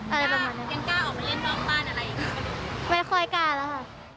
ไม่ค่อยกล้าล่ะค่ะ